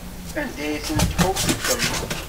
Anda ay tent-tḥukkem?